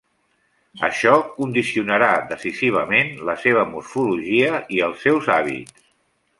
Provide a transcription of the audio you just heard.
Això condicionarà decisivament la seva morfologia i els seus hàbits.